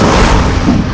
stay tetap berdihar